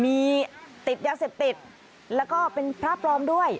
มีติดยาเสพติดแล้วก็เป็นพระปลอมด้วย